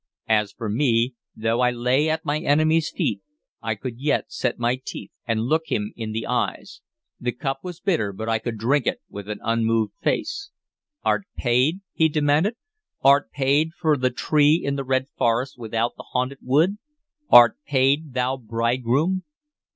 As for me, though I lay at my enemy's feet, I could yet set my teeth and look him in the eyes. The cup was bitter, but I could drink it with an unmoved face. "Art paid?" he demanded. "Art paid for the tree in the red forest without the haunted wood? Art paid, thou bridegroom?"